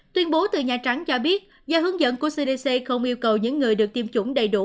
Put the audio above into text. tuyên bố từ nhà trắng cho biết do hướng dẫn của cdc không yêu cầu những người được tiêm chủng đầy đủ